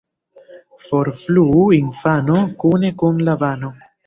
Forfluu infano kune kun la bano.